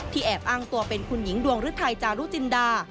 แอบอ้างตัวเป็นคุณหญิงดวงฤทัยจารุจินดา